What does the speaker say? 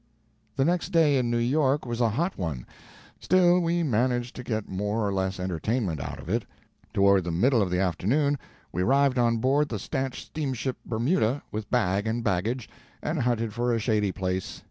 The next day, in New York, was a hot one. Still we managed to get more or less entertainment out of it. Toward the middle of the afternoon we arrived on board the stanch steamship Bermuda, with bag and baggage, and hunted for a shady place.